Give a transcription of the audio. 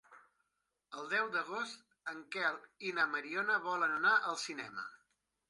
El deu d'agost en Quel i na Mariona volen anar al cinema.